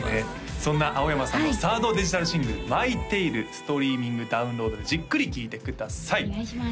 そんな青山さんの３ｒｄデジタルシングル「ＭｙＴａｌｅ」ストリーミングダウンロードでじっくり聴いてくださいお願いします